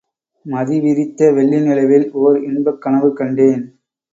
மதி விரித்த வெள்ளி நிலவில் ஓர் இன்பக் கனவு கண்டேன்.